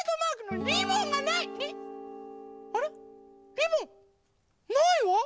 リボン？ないわ！